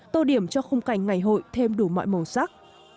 tô điểm cho khung cảnh ngày hội thêm đủ mọi màu sắc